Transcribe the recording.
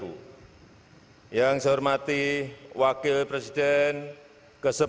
undangan dimohon berdiri